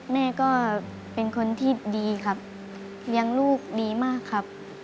แม่ก็เป็นคนที่ดีครับเลี้ยงลูกดีมากครับ